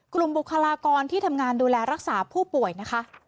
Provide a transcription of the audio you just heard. บุคลากรที่ทำงานดูแลรักษาผู้ป่วยนะคะ